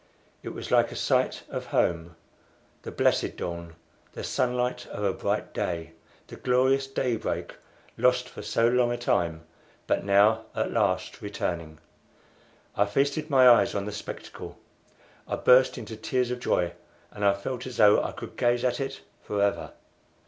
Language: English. It was like a sight of home the blessed dawn, the sunlight of a bright day, the glorious daybreak lost for so long a time, but now at last returning. I feasted my eyes on the spectacle, I burst into tears of joy, and I felt as though I could gaze at it forever.